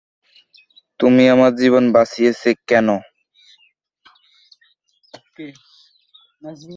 তুমি আমার জীবন বাঁচিয়েছ কেন?